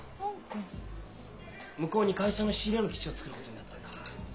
向こうに会社の仕入れの基地を作ることになってんだ。